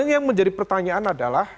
yang menjadi pertanyaan adalah